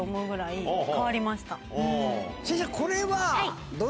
先生これは。